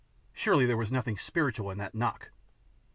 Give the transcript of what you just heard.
Surely there was nothing spiritual in that knock?''